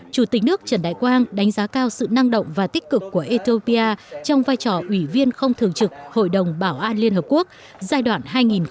chủ tịch nước trần đại quang đánh giá cao sự năng động và tích cực của ethiopia trong vai trò ủy viên không thường trực hội đồng bảo an liên hợp quốc giai đoạn hai nghìn một mươi bảy